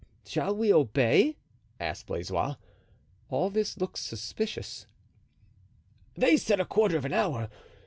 "Shall we obey?" asked Blaisois. "All this looks suspicious." "They said a quarter of an hour.